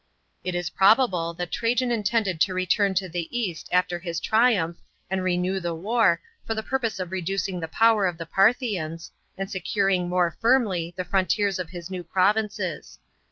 It is probable that Trajan intended to return to the east after his triumph, and renew t e war, for the purpose oi reducing the power of the Paithians, and securing more firmly the fiontiers of his new provinces.